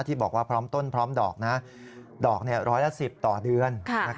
ที่บอกว่าพร้อมต้นพร้อมดอกนะดอกดอกร้อยละ๑๐ต่อเดือน